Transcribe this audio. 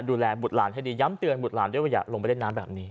ดูแลบุตรหลานให้ดีย้ำเตือนบุตรหลานด้วยว่าอย่าลงไปเล่นน้ำแบบนี้